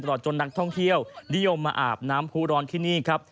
จนนักท่องเที่ยวนิยมมาอาบน้ำผู้ร้อนที่นี่ครับ